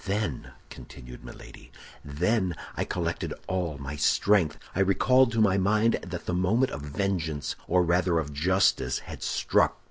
"Then," continued Milady, "then I collected all my strength; I recalled to my mind that the moment of vengeance, or rather, of justice, had struck.